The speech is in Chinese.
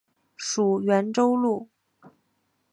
属袁州路。